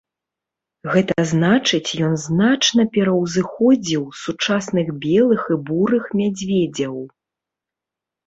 Гэта значыць ён значна пераўзыходзіў сучасных белых і бурых мядзведзяў.